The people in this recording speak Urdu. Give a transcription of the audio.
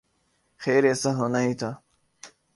خیر ایسا ہونا ہی تھا۔